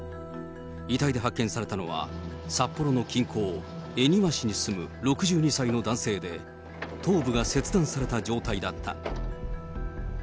遺体で発見されたのは札幌の近郊、恵庭市に住む６２歳の男性で、頭部が切断された状態だった。